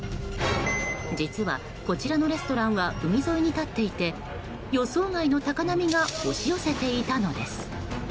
実は、こちらのレストランは海沿いに立っていて予想外の高波が押し寄せていたのです。